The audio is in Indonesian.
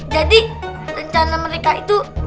jadi rencana mereka itu